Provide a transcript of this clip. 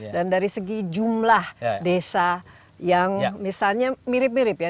dan dari segi jumlah desa yang misalnya mirip mirip ya